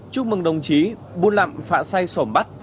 chúc mừng đồng chí bung lặn phạ say sổm bắt